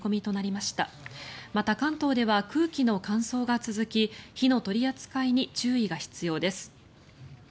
また、関東では空気の乾燥が続き火の取り扱いに注意が必要です。